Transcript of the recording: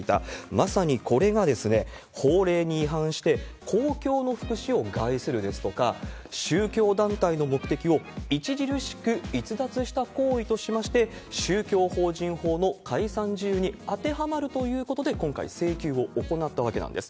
まさにこれが法令に違反して、公共の福祉を害するですとか、宗教団体の目的を著しく逸脱した行為としまして、宗教法人法の解散事由に当てはまるということで、今回請求を行ったわけなんです。